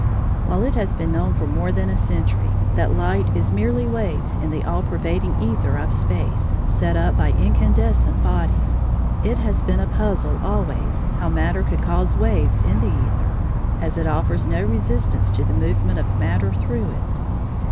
While it has been known for more than a century that light is merely waves in the all pervading æther of space, set up by incandescent bodies, it has been a puzzle always how matter could cause waves in the æther, as it offers no resistance to the movement of matter through it.